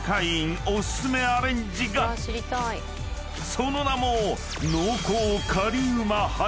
［その名も］